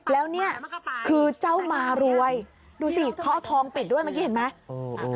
แล้วเนี่ยคือเจ้ามารวยดูสิเขาเอาทองปิดด้วยเมื่อกี้เห็นไหม